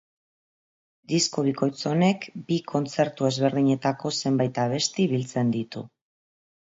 Disko bikoitz honek bi kontzertu ezberdinetako zenbait abesti biltzen ditu.